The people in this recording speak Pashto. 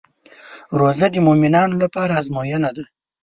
روژه د مؤمنانو لپاره ازموینه ده.